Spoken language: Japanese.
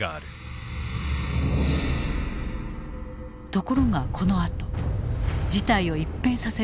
ところがこのあと事態を一変させる報告が入る。